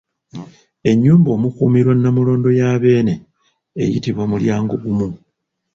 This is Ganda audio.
Ennyumba omukuumirwa namulondo ya Beene eyitibwa mulyangogumu.